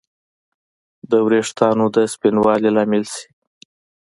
د ویښتانو د سپینوالي لامل شي